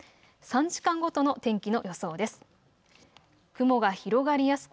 ３時間ごとの天気の予想です。